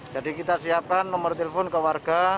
jadi kita siapkan nomor telepon ke warga